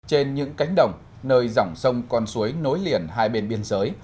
trên những cánh đồng nơi dòng sông con suối nối liền hai bên biên giới